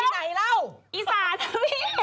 ไปอีสานมีที่ไหนแล้ว